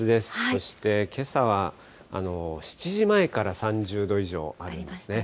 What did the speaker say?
そしてけさは、７時前から３０度以上あるんですね。